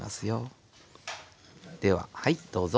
でははいどうぞ。